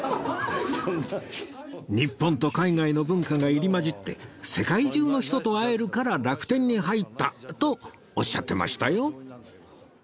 日本と海外の文化が入り交じって世界中の人と会えるから楽天に入ったとおっしゃってましたよ